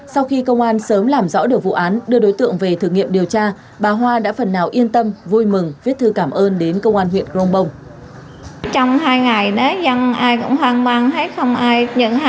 sau khi công an sớm làm rõ được vụ án đưa đối tượng về thử nghiệm điều tra bà hoa đã phần nào yên tâm vui mừng viết thư cảm ơn đến công an huyện grongbong